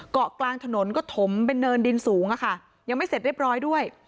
เกาะกลางถนนก็ถมเป็นเนินดินสูงอะค่ะยังไม่เสร็จเรียบร้อยด้วย